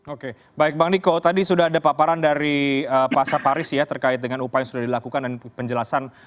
oke baik bang niko tadi sudah ada paparan dari pak saparis ya terkait dengan upaya yang sudah dilakukan dan penjelasan